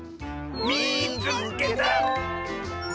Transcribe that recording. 「みいつけた！」。